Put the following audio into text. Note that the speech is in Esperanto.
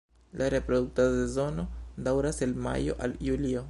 La reprodukta sezono daŭras el majo al julio.